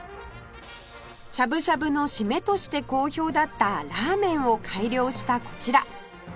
しゃぶしゃぶのシメとして好評だったラーメンを改良したこちら